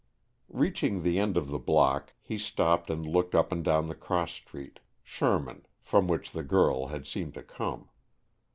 Reaching the end of the block he stopped and looked up and down the cross street, Sherman, from which the girl had seemed to come.